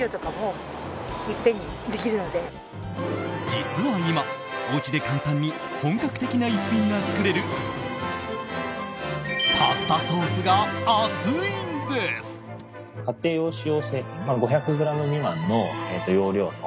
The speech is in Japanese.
実は今、おうちで簡単に本格的な一品が作れるパスタソースが熱いんです！